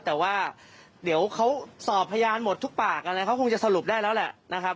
แต่ว่าเดี๋ยวเขาสอบพยานหมดทุกปากอะไรเขาคงจะสรุปได้แล้วแหละนะครับ